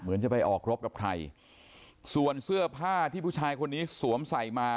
จะไปออกรบกับใครส่วนเสื้อผ้าที่ผู้ชายคนนี้สวมใส่มา